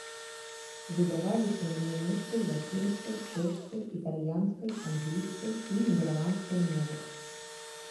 Выдаваліся на нямецкай, лацінскай, чэшскай, італьянскай, англійскай і нідэрландскай мовах.